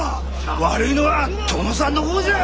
悪いのは殿さんの方じゃ！